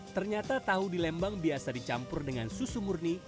ternyata tahu di lembang biasa dicampur dengan susu murni